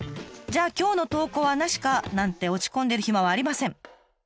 じゃあ今日の投稿はなしかなんて落ち込んでる暇はありません。